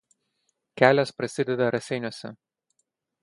Kelias prasideda Raseiniuose.